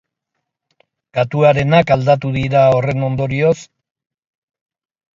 Katuarenak aldatu dira horren ondorioz?